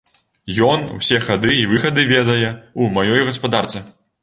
Ён усе хады і выхады ведае ў маёй гаспадарцы.